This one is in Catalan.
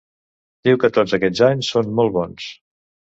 Diu que tots aquest anys són "molt bons".